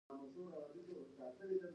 ښارونه د افغانانو د معیشت یوه سرچینه ده.